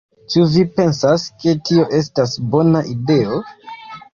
Ĉu vi pensas ke tio estas bona ideo?"